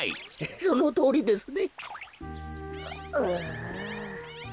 そのとおりですね。